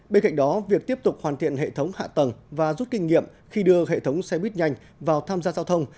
bên cạnh đó việc tiếp tục hoàn thiện hệ thống hạ tầng và rút kinh nghiệm khi đưa hệ thống xe buýt nhanh vào tham gia giao thông